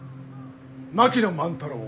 槙野万太郎。